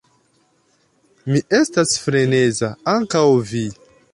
Mi estas freneza; ankaŭ vi!